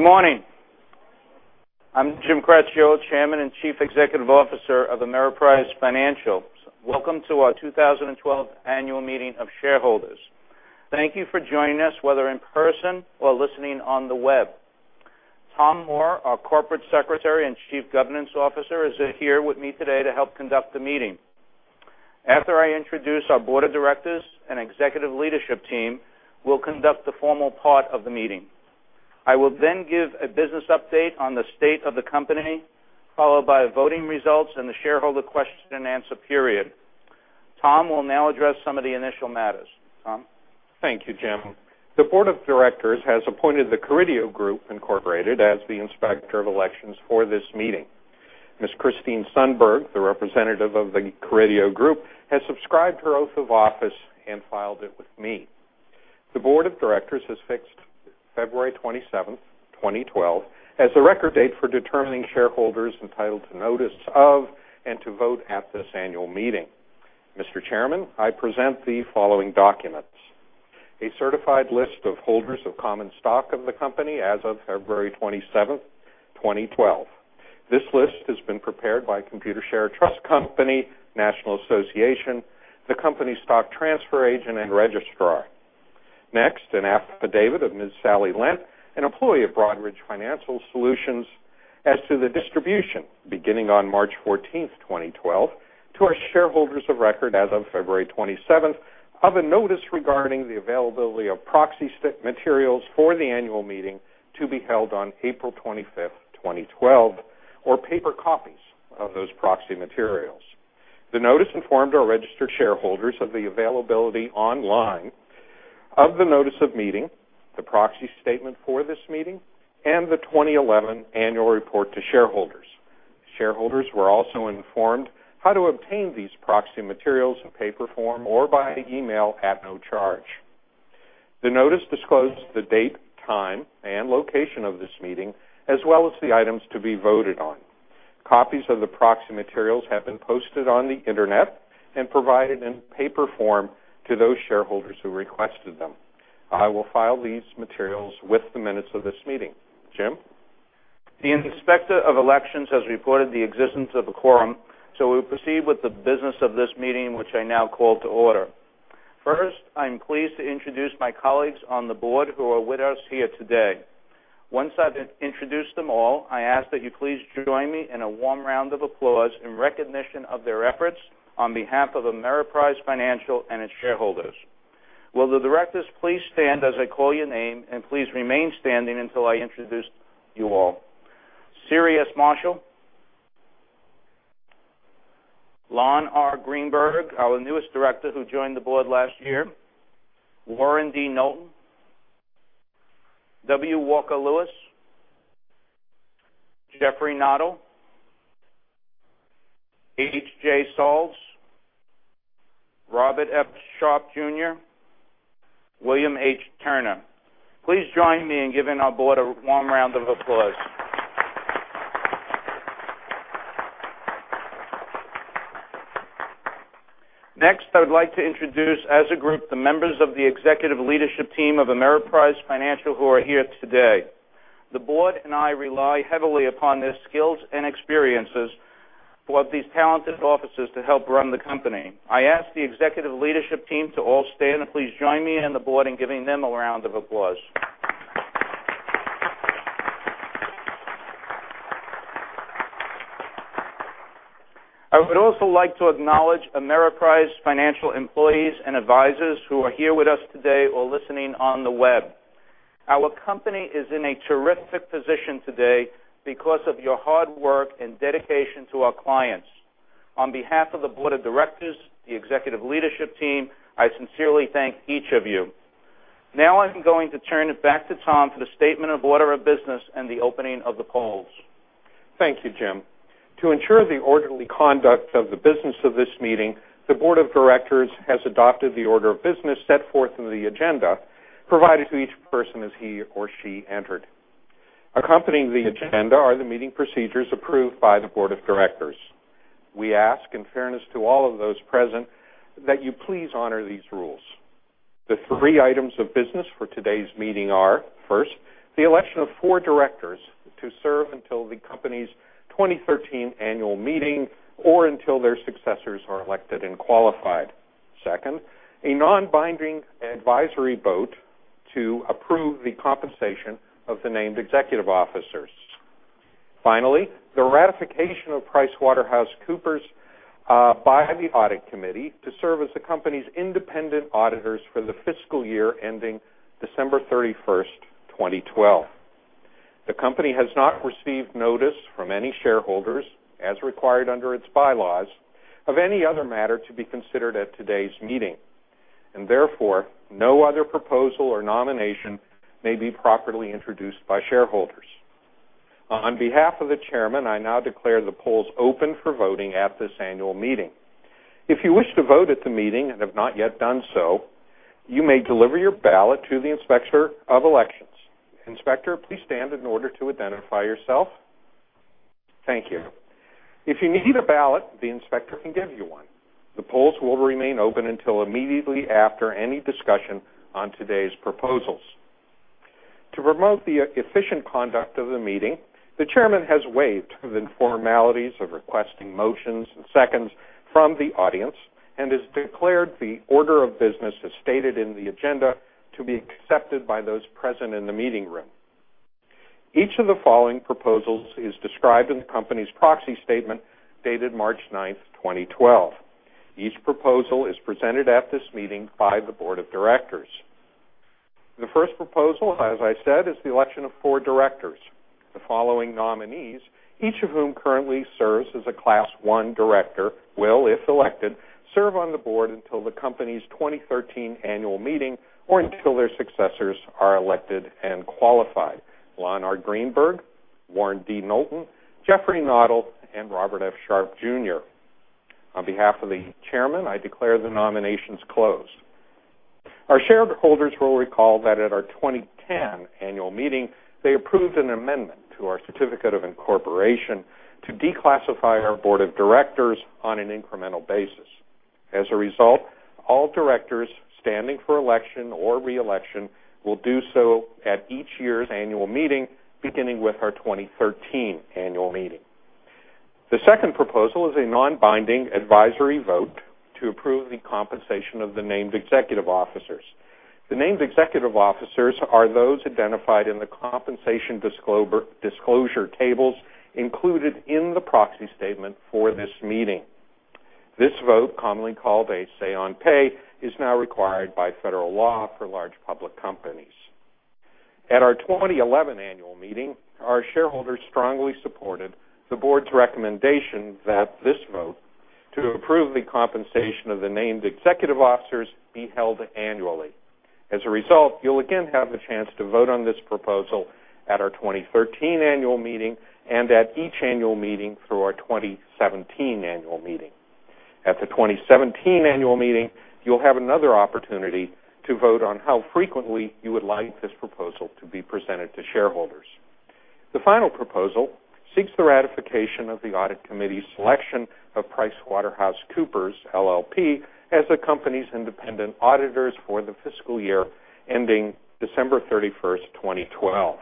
Good morning. I'm Jim Cracchiolo, Chairman and Chief Executive Officer of Ameriprise Financial. Welcome to our 2012 annual meeting of shareholders. Thank you for joining us, whether in person or listening on the web. Tom Moore, our Corporate Secretary and Chief Governance Officer, is here with me today to help conduct the meeting. After I introduce our board of directors and executive leadership team, we'll conduct the formal part of the meeting. I will then give a business update on the state of the company, followed by voting results and the shareholder question and answer period. Tom will now address some of the initial matters. Tom? Thank you, Jim. The board of directors has appointed the Carideo Group Incorporated as the Inspector of Elections for this meeting. Ms. Christine Sundberg, the representative of the Carideo Group, has subscribed her oath of office and filed it with me. The board of directors has fixed February 27th, 2012, as the record date for determining shareholders entitled to notice of, and to vote at this annual meeting. Mr. Chairman, I present the following documents. A certified list of holders of common stock of the company as of February 27th, 2012. This list has been prepared by Computershare Trust Company, National Association, the company stock transfer agent, and registrar. An affidavit of Ms. Sally Lent, an employee of Broadridge Financial Solutions, as to the distribution beginning on March 14th, 2012, to our shareholders of record as of February 27th, of a notice regarding the availability of proxy materials for the annual meeting to be held on April 25th, 2012, or paper copies of those proxy materials. The notice informed our registered shareholders of the availability online of the notice of meeting, the proxy statement for this meeting, and the 2011 annual report to shareholders. Shareholders were also informed how to obtain these proxy materials in paper form or by email at no charge. The notice disclosed the date, time, and location of this meeting, as well as the items to be voted on. Copies of the proxy materials have been posted on the internet and provided in paper form to those shareholders who requested them. I will file these materials with the minutes of this meeting. Jim? The Inspector of Elections has reported the existence of a quorum. We'll proceed with the business of this meeting, which I now call to order. First, I'm pleased to introduce my colleagues on the board who are with us here today. Once I've introduced them all, I ask that you please join me in a warm round of applause in recognition of their efforts on behalf of Ameriprise Financial and its shareholders. Will the directors please stand as I call your name, and please remain standing until I introduce you all. Siri S. Marshall. Lon R. Greenberg, our newest director who joined the board last year. Warren D. Knowlton. W. Walker Lewis. Jeffrey Noddle. H. Jay Sarles. Robert F. Sharpe, Jr. William H. Turner. Please join me in giving our board a warm round of applause. Next, I would like to introduce, as a group, the members of the executive leadership team of Ameriprise Financial who are here today. The board and I rely heavily upon their skills and experiences of these talented officers to help run the company. I ask the executive leadership team to all stand, and please join me and the board in giving them a round of applause. I would also like to acknowledge Ameriprise Financial employees and advisors who are here with us today or listening on the web. Our company is in a terrific position today because of your hard work and dedication to our clients. On behalf of the board of directors, the executive leadership team, I sincerely thank each of you. I'm going to turn it back to Tom for the statement of order of business and the opening of the polls. Thank you, Jim. To ensure the orderly conduct of the business of this meeting, the board of directors has adopted the order of business set forth in the agenda provided to each person as he or she entered. Accompanying the agenda are the meeting procedures approved by the board of directors. We ask, in fairness to all of those present, that you please honor these rules. The three items of business for today's meeting are, first, the election of four directors to serve until the company's 2013 annual meeting or until their successors are elected and qualified. Second, a non-binding advisory vote to approve the compensation of the named executive officers. Finally, the ratification of PricewaterhouseCoopers, by the audit committee, to serve as the company's independent auditors for the fiscal year ending December 31st, 2012. The company has not received notice from any shareholders, as required under its bylaws, of any other matter to be considered at today's meeting. Therefore, no other proposal or nomination may be properly introduced by shareholders. On behalf of the chairman, I now declare the polls open for voting at this annual meeting. If you wish to vote at the meeting and have not yet done so, you may deliver your ballot to the Inspector of Elections. Inspector, please stand in order to identify yourself. Thank you. If you need a ballot, the inspector can give you one. The polls will remain open until immediately after any discussion on today's proposals. To promote the efficient conduct of the meeting, the chairman has waived the formalities of requesting motions and seconds from the audience and has declared the order of business as stated in the agenda to be accepted by those present in the meeting room. Each of the following proposals is described in the company's proxy statement, dated March ninth, 2012. Each proposal is presented at this meeting by the board of directors. The first proposal, as I said, is the election of four directors. The following nominees, each of whom currently serves as a class 1 director, will, if elected, serve on the board until the company's 2013 annual meeting or until their successors are elected and qualified. Lon R. Greenberg, Warren D. Knowlton, Jeffrey Noddle, and Robert F. Sharpe, Jr. On behalf of the chairman, I declare the nominations closed. Our shareholders will recall that at our 2010 annual meeting, they approved an amendment to our Certificate of Incorporation to declassify our board of directors on an incremental basis. As a result, all directors standing for election or re-election will do so at each year's annual meeting, beginning with our 2013 annual meeting. The second proposal is a non-binding advisory vote to approve the compensation of the named executive officers. The named executive officers are those identified in the compensation disclosure tables included in the proxy statement for this meeting. This vote, commonly called a say on pay, is now required by federal law for large public companies. At our 2011 annual meeting, our shareholders strongly supported the board's recommendation that this vote to approve the compensation of the named executive officers be held annually. As a result, you'll again have the chance to vote on this proposal at our 2013 annual meeting and at each annual meeting through our 2017 annual meeting. At the 2017 annual meeting, you'll have another opportunity to vote on how frequently you would like this proposal to be presented to shareholders. The final proposal seeks the ratification of the Audit Committee's selection of PricewaterhouseCoopers LLP as the company's independent auditors for the fiscal year ending December 31st, 2012.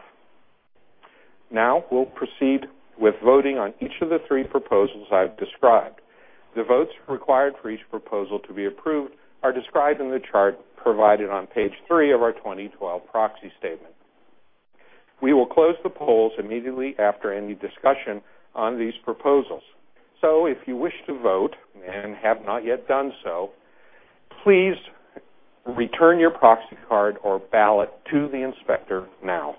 We'll proceed with voting on each of the three proposals I've described. The votes required for each proposal to be approved are described in the chart provided on page three of our 2012 proxy statement. If you wish to vote and have not yet done so, please return your proxy card or ballot to the inspector now.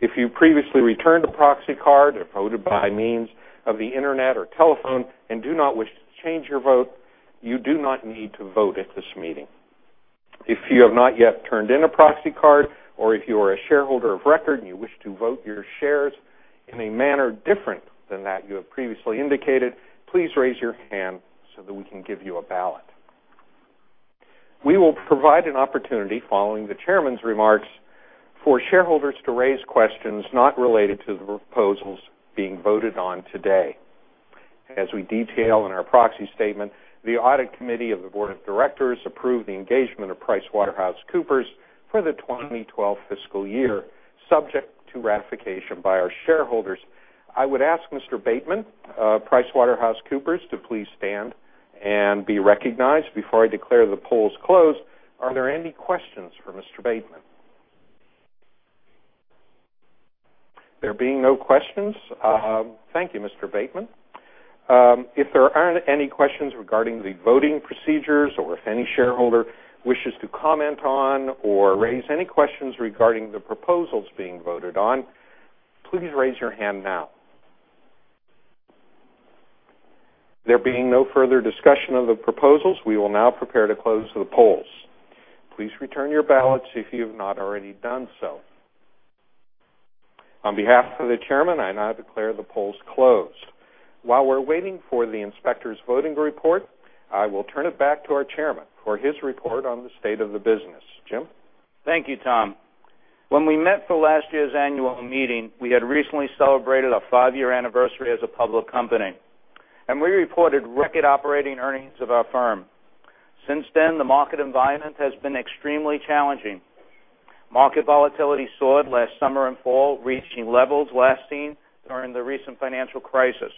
If you previously returned a proxy card or voted by means of the internet or telephone and do not wish to change your vote, you do not need to vote at this meeting. If you have not yet turned in a proxy card, or if you are a shareholder of record and you wish to vote your shares in a manner different than that you have previously indicated, please raise your hand so that we can give you a ballot. We will provide an opportunity following the chairman's remarks for shareholders to raise questions not related to the proposals being voted on today. As we detail in our proxy statement, the audit committee of the board of directors approved the engagement of PricewaterhouseCoopers for the 2012 fiscal year, subject to ratification by our shareholders. I would ask Mr. Bateman of PricewaterhouseCoopers to please stand and be recognized before I declare the polls closed. Are there any questions for Mr. Bateman? There being no questions, thank you, Mr. Bateman. If there are any questions regarding the voting procedures or if any shareholder wishes to comment on or raise any questions regarding the proposals being voted on, please raise your hand now. There being no further discussion of the proposals, we will now prepare to close the polls. Please return your ballots if you have not already done so. On behalf of the chairman, I now declare the polls closed. While we're waiting for the inspector's voting report, I will turn it back to our chairman for his report on the state of the business. Jim? Thank you, Tom. When we met for last year's annual meeting, we had recently celebrated our five-year anniversary as a public company. We reported record operating earnings of our firm. Since then, the market environment has been extremely challenging. Market volatility soared last summer and fall, reaching levels last seen during the recent financial crisis.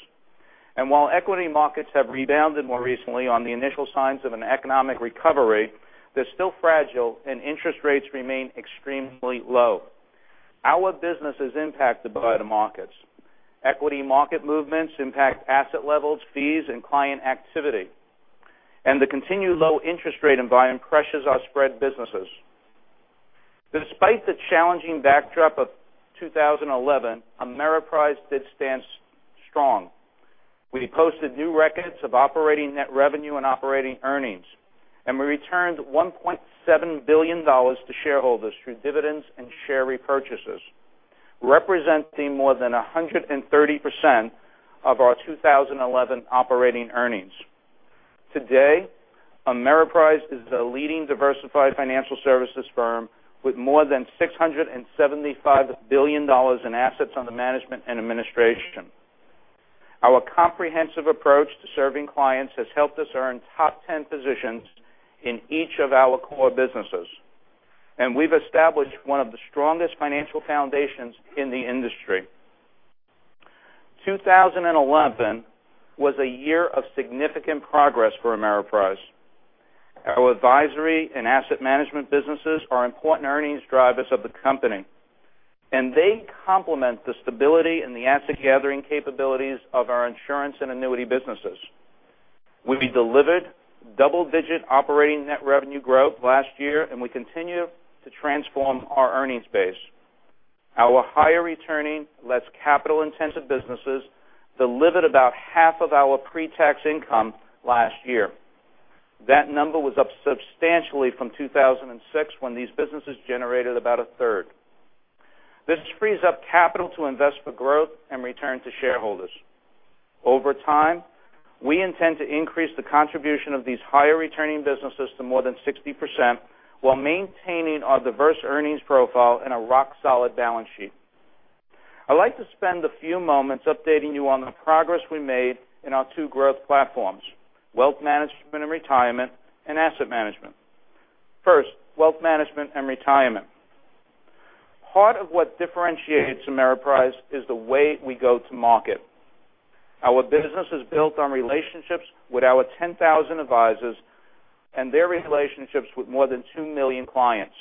While equity markets have rebounded more recently on the initial signs of an economic recovery, they're still fragile, and interest rates remain extremely low. Our business is impacted by the markets. Equity market movements impact asset levels, fees, and client activity, and the continued low interest rate environment pressures our spread businesses. Despite the challenging backdrop of 2011, Ameriprise did stand strong. We posted new records of operating net revenue and operating earnings, and we returned $1.7 billion to shareholders through dividends and share repurchases, representing more than 130% of our 2011 operating earnings. Today, Ameriprise is the leading diversified financial services firm with more than $675 billion in assets under management and administration. Our comprehensive approach to serving clients has helped us earn top 10 positions in each of our core businesses, and we've established one of the strongest financial foundations in the industry. 2011 was a year of significant progress for Ameriprise. Our advisory and asset management businesses are important earnings drivers of the company, and they complement the stability and the asset-gathering capabilities of our insurance and annuity businesses. We delivered double-digit operating net revenue growth last year. We continue to transform our earnings base. Our higher-returning, less capital-intensive businesses delivered about half of our pre-tax income last year. That number was up substantially from 2006, when these businesses generated about a third. This frees up capital to invest for growth and return to shareholders. Over time, we intend to increase the contribution of these higher-returning businesses to more than 60%, while maintaining our diverse earnings profile and a rock-solid balance sheet. I'd like to spend a few moments updating you on the progress we made in our two growth platforms, wealth management and retirement, and asset management. First, wealth management and retirement. Part of what differentiates Ameriprise is the way we go to market. Our business is built on relationships with our 10,000 advisors and their relationships with more than two million clients.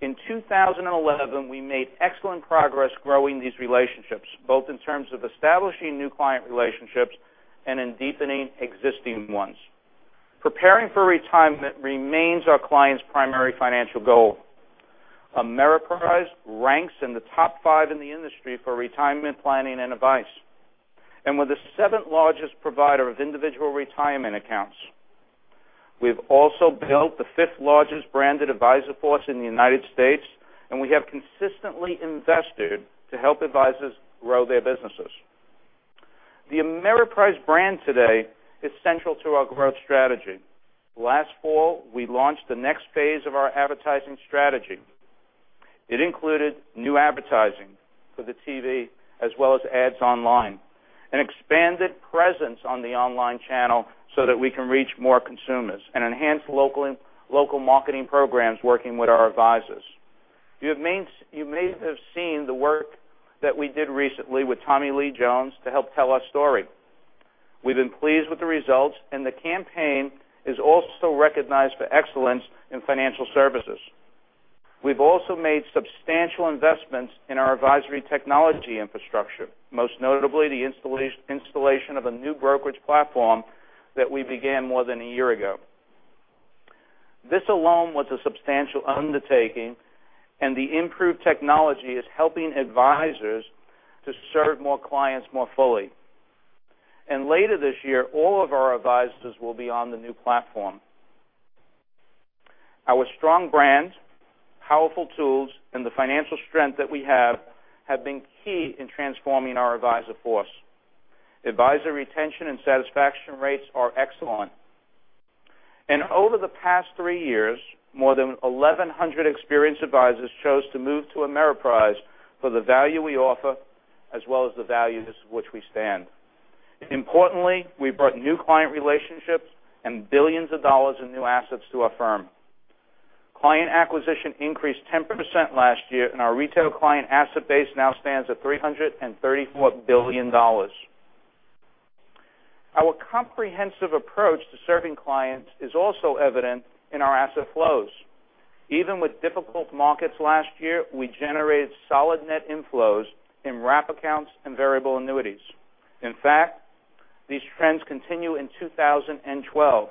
In 2011, we made excellent progress growing these relationships, both in terms of establishing new client relationships and in deepening existing ones. Preparing for retirement remains our clients' primary financial goal. Ameriprise ranks in the top five in the industry for retirement planning and advice, and we're the seventh largest provider of individual retirement accounts. We've also built the fifth largest branded advisor force in the U.S., and we have consistently invested to help advisors grow their businesses. The Ameriprise brand today is central to our growth strategy. Last fall, we launched the next phase of our advertising strategy. It included new advertising for the TV as well as ads online, an expanded presence on the online channel so that we can reach more consumers, and enhanced local marketing programs working with our advisors. You may have seen the work that we did recently with Tommy Lee Jones to help tell our story. We've been pleased with the results, the campaign is also recognized for excellence in financial services. We've also made substantial investments in our advisory technology infrastructure, most notably the installation of a new brokerage platform that we began more than a year ago. This alone was a substantial undertaking, the improved technology is helping advisors to serve more clients more fully. Later this year, all of our advisors will be on the new platform. Our strong brand, powerful tools, and the financial strength that we have been key in transforming our advisor force. Advisor retention and satisfaction rates are excellent. Over the past three years, more than 1,100 experienced advisors chose to move to Ameriprise for the value we offer, as well as the values which we stand. Importantly, we brought new client relationships and billions of dollars in new assets to our firm. Client acquisition increased 10% last year, our retail client asset base now stands at $334 billion. Our comprehensive approach to serving clients is also evident in our asset flows. Even with difficult markets last year, we generated solid net inflows in wrap accounts and variable annuities. In fact, these trends continue in 2012,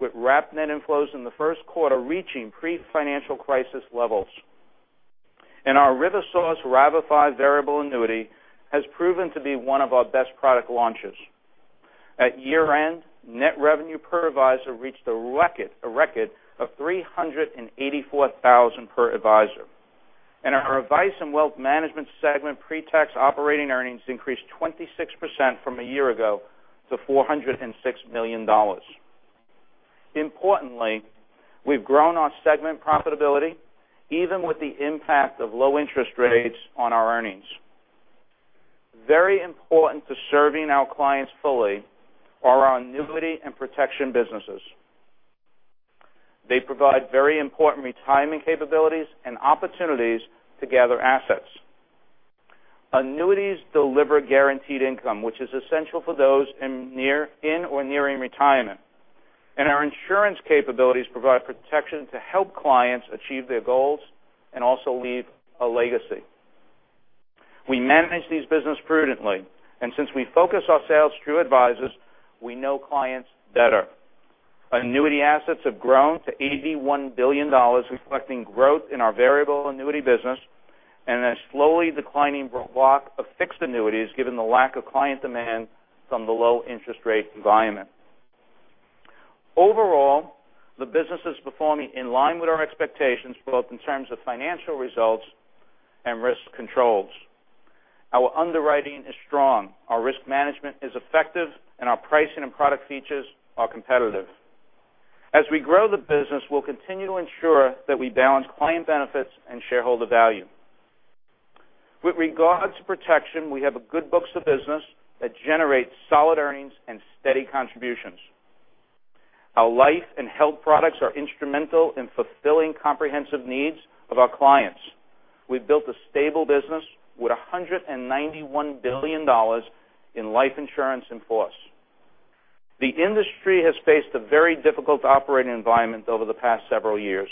with wrap net inflows in the first quarter reaching pre-financial crisis levels. Our RiverSource RAVA Apex variable annuity has proven to be one of our best product launches. At year-end, net revenue per advisor reached a record of $384,000 per advisor. Our advice and wealth management segment pre-tax operating earnings increased 26% from a year ago to $406 million. Importantly, we've grown our segment profitability, even with the impact of low interest rates on our earnings. Very important to serving our clients fully are our annuity and protection businesses. They provide very important retirement capabilities and opportunities to gather assets. Annuities deliver guaranteed income, which is essential for those in or nearing retirement. Our insurance capabilities provide protection to help clients achieve their goals and also leave a legacy. We manage these business prudently, and since we focus our sales through advisors, we know clients better. Annuity assets have grown to $81 billion, reflecting growth in our variable annuity business and a slowly declining block of fixed annuities, given the lack of client demand from the low interest rate environment. Overall, the business is performing in line with our expectations, both in terms of financial results and risk controls. Our underwriting is strong, our risk management is effective, and our pricing and product features are competitive. As we grow the business, we'll continue to ensure that we balance client benefits and shareholder value. With regards to protection, we have a good books of business that generates solid earnings and steady contributions. Our life and health products are instrumental in fulfilling comprehensive needs of our clients. We've built a stable business with $191 billion in life insurance in force. The industry has faced a very difficult operating environment over the past several years.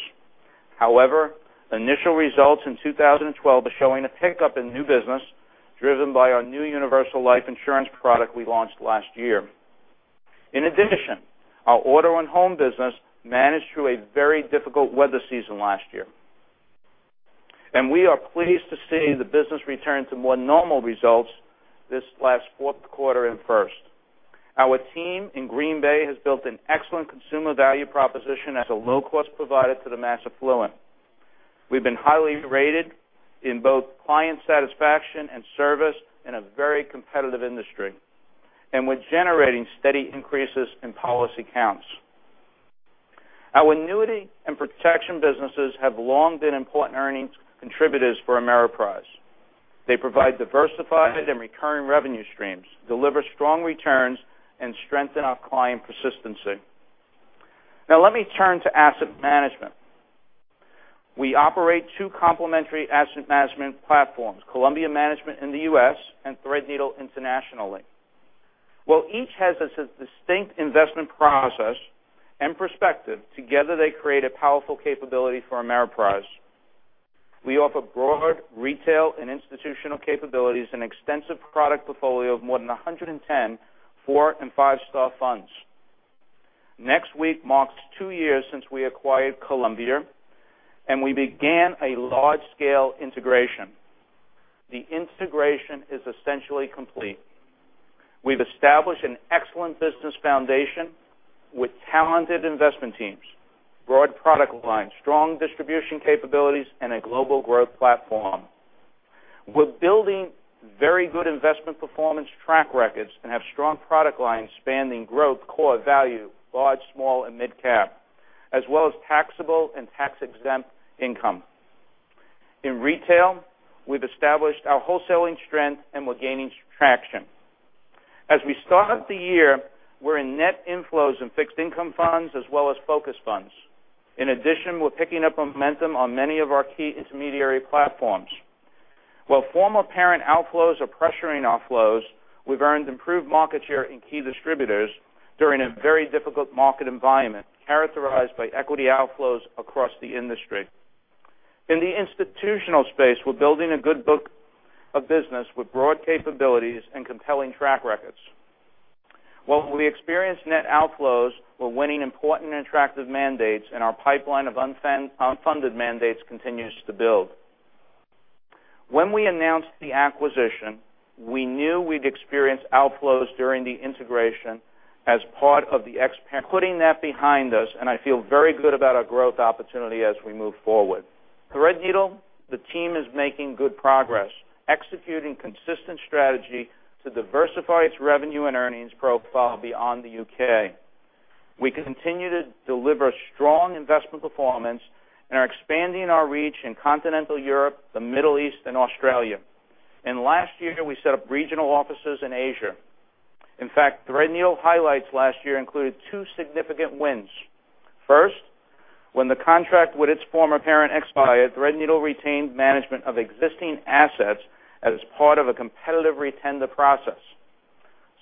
However, initial results in 2012 are showing a pickup in new business, driven by our new universal life insurance product we launched last year. Our auto and home business managed through a very difficult weather season last year. We are pleased to see the business return to more normal results this last fourth quarter and first. Our team in Green Bay has built an excellent consumer value proposition as a low-cost provider to the mass affluent. We've been highly rated in both client satisfaction and service in a very competitive industry, and we're generating steady increases in policy counts. Our annuity and protection businesses have long been important earnings contributors for Ameriprise. They provide diversified and recurring revenue streams, deliver strong returns, and strengthen our client persistency. Now let me turn to asset management. We operate two complementary asset management platforms, Columbia Management in the U.S. and Threadneedle internationally. While each has a distinct investment process and perspective, together they create a powerful capability for Ameriprise. We offer broad retail and institutional capabilities, an extensive product portfolio of more than 110 four and five-star funds. Next week marks two years since we acquired Columbia, and we began a large-scale integration. The integration is essentially complete. We've established an excellent business foundation with talented investment teams, broad product lines, strong distribution capabilities, and a global growth platform. We're building very good investment performance track records and have strong product lines spanning growth, core value, large, small, and mid-cap, as well as taxable and tax-exempt income. In retail, we've established our wholesaling strength and we're gaining traction. As we start the year, we're in net inflows in fixed income funds as well as focus funds. We're picking up momentum on many of our key intermediary platforms. Former parent outflows are pressuring outflows, we've earned improved market share in key distributors during a very difficult market environment characterized by equity outflows across the industry. In the institutional space, we're building a good book of business with broad capabilities and compelling track records. We experience net outflows, we're winning important and attractive mandates, and our pipeline of unfunded mandates continues to build. When we announced the acquisition, we knew we'd experience outflows during the integration as part of the expansion. We're putting that behind us, and I feel very good about our growth opportunity as we move forward. Threadneedle, the team is making good progress, executing consistent strategy to diversify its revenue and earnings profile beyond the U.K. We continue to deliver strong investment performance and are expanding our reach in continental Europe, the Middle East, and Australia. Last year, we set up regional offices in Asia. In fact, Threadneedle highlights last year included two significant wins. First, when the contract with its former parent expired, Threadneedle retained management of existing assets as part of a competitive re-tender process.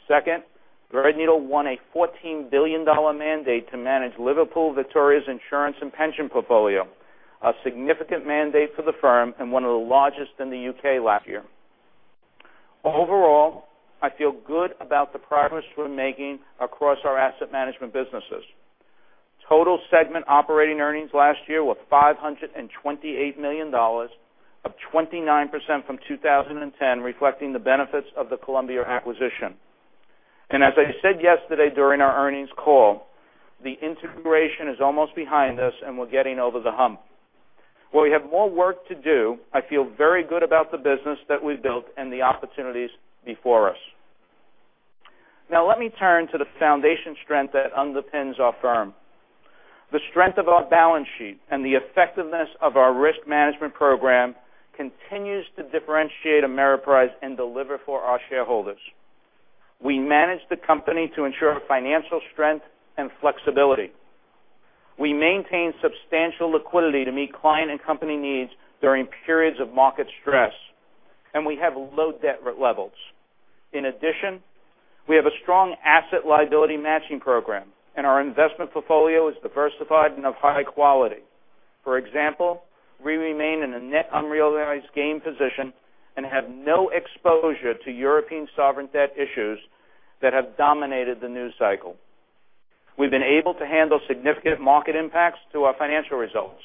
Second, Threadneedle won a $14 billion mandate to manage Liverpool Victoria's insurance and pension portfolio, a significant mandate for the firm and one of the largest in the U.K. last year. I feel good about the progress we're making across our asset management businesses. Total segment operating earnings last year were $528 million, up 29% from 2010, reflecting the benefits of the Columbia acquisition. As I said yesterday during our earnings call, the integration is almost behind us and we're getting over the hump. While we have more work to do, I feel very good about the business that we've built and the opportunities before us. Let me turn to the foundation strength that underpins our firm. The strength of our balance sheet and the effectiveness of our risk management program continues to differentiate Ameriprise and deliver for our shareholders. We manage the company to ensure financial strength and flexibility. We maintain substantial liquidity to meet client and company needs during periods of market stress. We have low debt levels. In addition, we have a strong asset-liability matching program. Our investment portfolio is diversified and of high quality. For example, we remain in a net unrealized gain position and have no exposure to European sovereign debt issues that have dominated the news cycle. We've been able to handle significant market impacts to our financial results.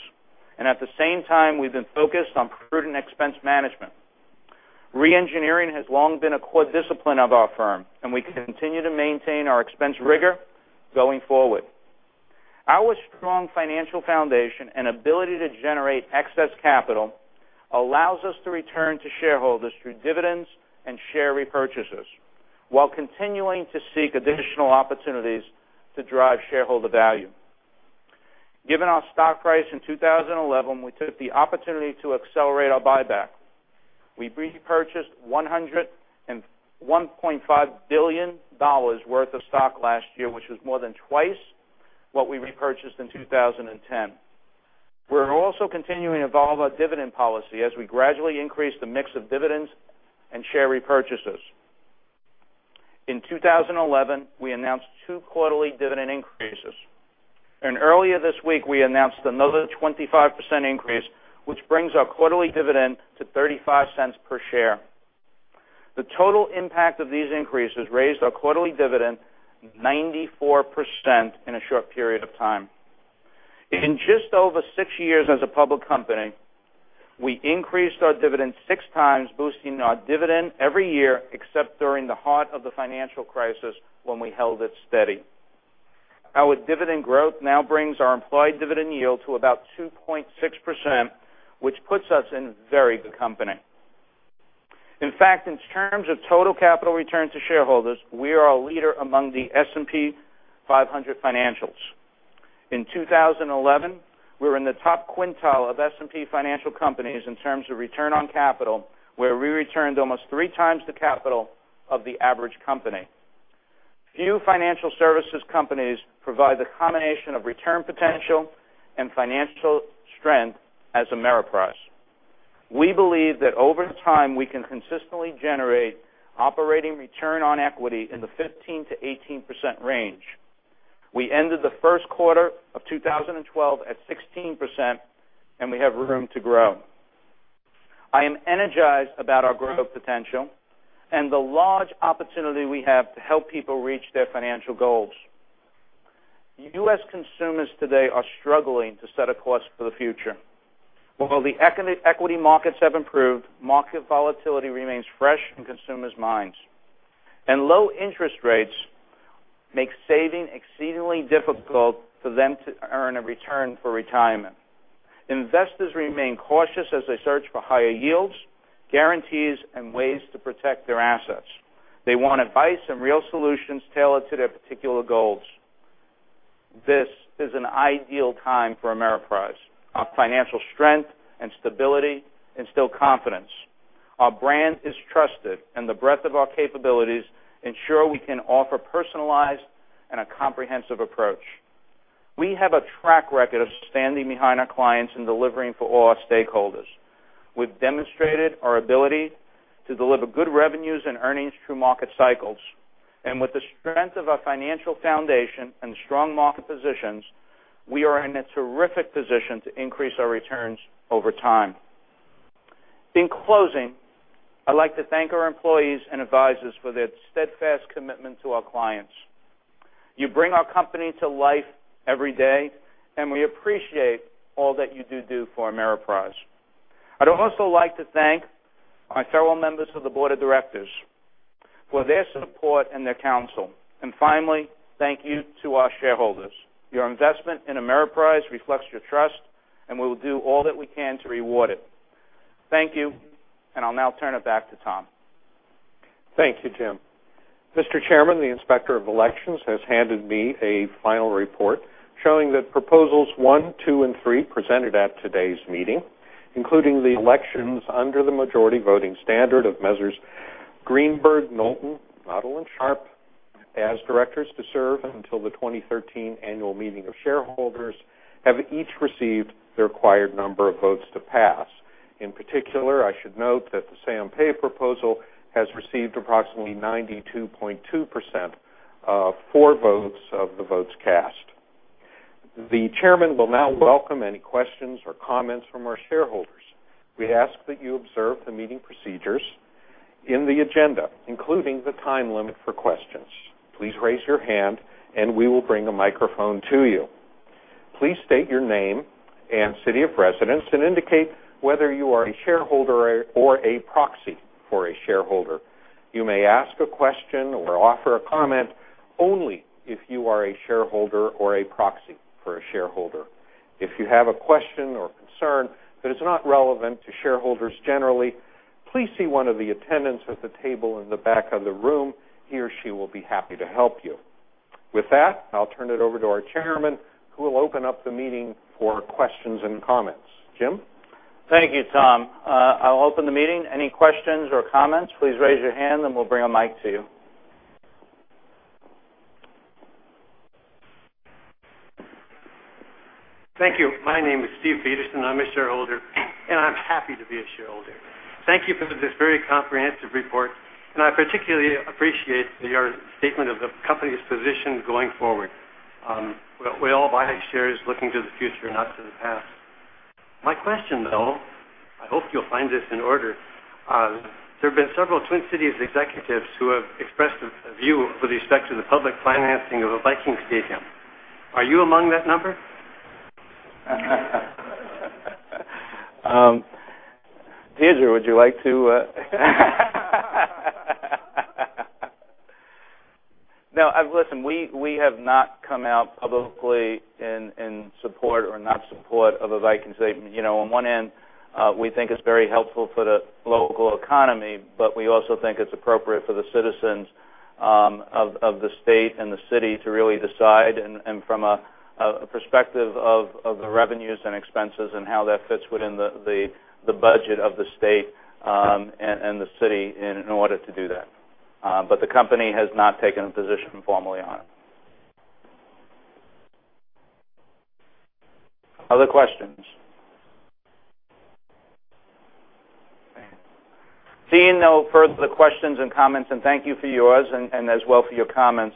At the same time, we've been focused on prudent expense management. Re-engineering has long been a core discipline of our firm. We continue to maintain our expense rigor going forward. Our strong financial foundation and ability to generate excess capital allows us to return to shareholders through dividends and share repurchases while continuing to seek additional opportunities to drive shareholder value. Given our stock price in 2011, we took the opportunity to accelerate our buyback. We repurchased $1.5 billion worth of stock last year, which was more than twice what we repurchased in 2010. We're also continuing to evolve our dividend policy as we gradually increase the mix of dividends and share repurchases. In 2011, we announced two quarterly dividend increases. Earlier this week, we announced another 25% increase, which brings our quarterly dividend to $0.35 per share. The total impact of these increases raised our quarterly dividend 94% in a short period of time. In just over six years as a public company, we increased our dividend six times, boosting our dividend every year except during the heart of the financial crisis, when we held it steady. Our dividend growth now brings our implied dividend yield to about 2.6%, which puts us in very good company. In fact, in terms of total capital return to shareholders, we are a leader among the S&P 500 financials. In 2011, we were in the top quintile of S&P financial companies in terms of return on capital, where we returned almost three times the capital of the average company. Few financial services companies provide the combination of return potential and financial strength as Ameriprise. We believe that over time, we can consistently generate operating return on equity in the 15%-18% range. We ended the first quarter of 2012 at 16%. We have room to grow. I am energized about our growth potential and the large opportunity we have to help people reach their financial goals. U.S. consumers today are struggling to set a course for the future. While the equity markets have improved, market volatility remains fresh in consumers' minds. Low interest rates make saving exceedingly difficult for them to earn a return for retirement. Investors remain cautious as they search for higher yields, guarantees, and ways to protect their assets. They want advice and real solutions tailored to their particular goals. This is an ideal time for Ameriprise. Our financial strength and stability instill confidence. Our brand is trusted, and the breadth of our capabilities ensure we can offer personalized and a comprehensive approach. We have a track record of standing behind our clients and delivering for all our stakeholders. We've demonstrated our ability to deliver good revenues and earnings through market cycles. With the strength of our financial foundation and strong market positions, we are in a terrific position to increase our returns over time. In closing, I'd like to thank our employees and advisors for their steadfast commitment to our clients. You bring our company to life every day, and we appreciate all that you do for Ameriprise. I'd also like to thank my fellow members of the board of directors for their support and their counsel. Finally, thank you to our shareholders. Your investment in Ameriprise reflects your trust, and we will do all that we can to reward it. Thank you, and I'll now turn it back to Tom. Thank you, Jim. Mr. Chairman, the Inspector of Elections has handed me a final report showing that proposals one, two, and three presented at today's meeting, including the elections under the majority voting standard of Messrs. Greenberg, Knowlton, Noodle, and Sharp as directors to serve until the 2013 annual meeting of shareholders, have each received the required number of votes to pass. In particular, I should note that the say on pay proposal has received approximately 92.2% of for votes of the votes cast. The chairman will now welcome any questions or comments from our shareholders. We ask that you observe the meeting procedures in the agenda, including the time limit for questions. Please raise your hand, and we will bring a microphone to you. Please state your name and city of residence and indicate whether you are a shareholder or a proxy for a shareholder. You may ask a question or offer a comment only if you are a shareholder or a proxy for a shareholder. If you have a question or concern that is not relevant to shareholders generally, please see one of the attendants at the table in the back of the room. He or she will be happy to help you. With that, I'll turn it over to our chairman, who will open up the meeting for questions and comments. Jim? Thank you, Tom. I'll open the meeting. Any questions or comments, please raise your hand and we'll bring a mic to you. Thank you. My name is Steve Peterson. I'm a shareholder, and I'm happy to be a shareholder. Thank you for this very comprehensive report, and I particularly appreciate your statement of the company's position going forward. We all buy shares looking to the future, not to the past. My question, though, I hope you'll find this in order. There have been several Twin Cities executives who have expressed a view with respect to the public financing of a Viking Stadium. Are you among that number? No. Listen, we have not come out publicly in support or not support of a Viking Stadium. On one end, we think it's very helpful for the local economy, but we also think it's appropriate for the citizens of the state and the city to really decide, and from a perspective of the revenues and expenses and how that fits within the budget of the state and the city in order to do that. The company has not taken a position formally on it. Other questions? Seeing no further questions and comments, and thank you for yours and as well for your comments.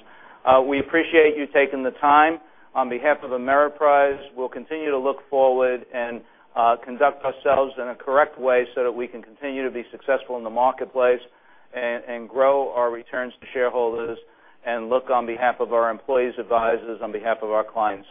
We appreciate you taking the time. On behalf of Ameriprise, we'll continue to look forward and conduct ourselves in a correct way so that we can continue to be successful in the marketplace and grow our returns to shareholders and look on behalf of our employees, advisors, on behalf of our clients.